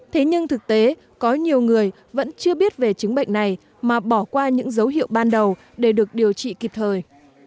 thế nhưng thực tế có nhiều người vẫn chưa biết về chứng bệnh này mà bỏ qua những dấu hiệu ban đầu để được điều trị kịp thời